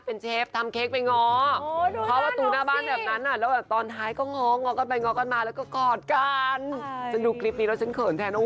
โอ้โหโดบหัวไปอีก